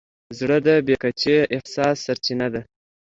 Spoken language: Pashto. زړه د بې کچې احساس سرچینه ده.